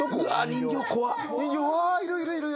わいるいるいる。